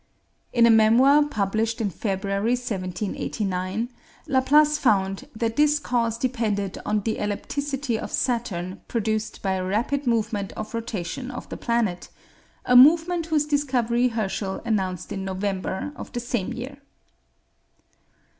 In a memoir published in February, 1789, Laplace found that this cause depended on the ellipticity of Saturn produced by a rapid movement of rotation of the planet, a movement whose discovery Herschel announced in November of the same year.